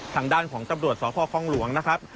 ทางด้านของตำรวจสพคลองหลวงนะครับ